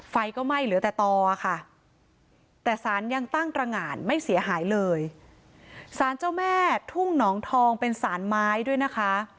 ไฟก็ไหม้เหลือแต่ต่อค่ะแต่สารยังตั้งตรงานไม่เสียหายเลยสารเจ้าแม่ทุ่งหนองทองเป็นสารไม้ด้วยนะคะ